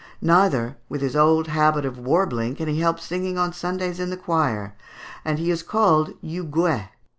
Neither, with his old habit of warbling, can he help singing on Sundays in the choir; and he is called Huguet.